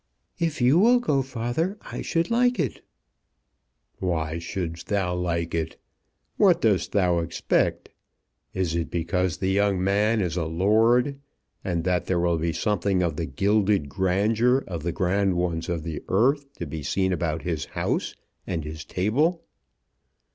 "If you will go, father, I should like it." "Why shouldst thou like it? What doest thou expect? Is it because the young man is a lord, and that there will be something of the gilded grandeur of the grand ones of the earth to be seen about his house and his table?"